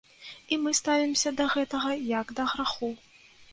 І мы ставімся да гэтага як да граху.